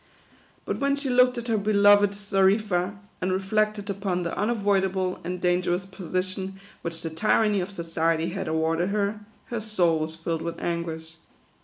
But when she looked at her be loved Xarifa, and reflected upon the unavoidable and dangerous position which the tyranny of society had awarded her, her soul was filled with anguish.